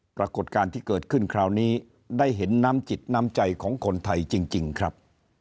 ปรากฏการณ์ที่เกิดขึ้นคราวนี้ได้เห็นน้ำจิตน้ำใจของคนไทยจริงครับ